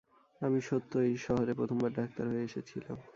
আমি সত্য, এই শহরে প্রথমবার ডাক্তার হয়ে এসেছিলাম।